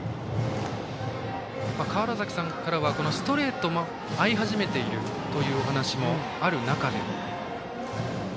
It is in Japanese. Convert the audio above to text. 川原崎さんからはストレートも合い始めてるというお話もある中で。